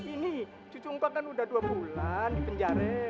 ini cucu engkong kan udah dua bulan di penjara